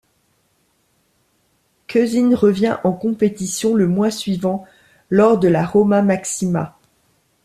Cusin revient en compétition le mois suivant lors de la Roma Maxima.